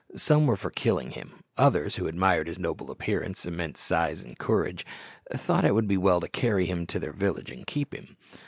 Some were for killing him; others, who admired his noble appearance, immense size, and courage, thought it would be well to carry him to their village and keep him.